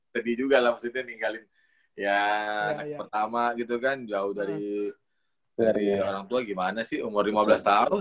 sedih juga lah maksudnya ninggalin ya anak pertama gitu kan jauh dari orang tua gimana sih umur lima belas tahun